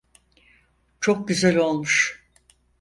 Çok güzel olmuş.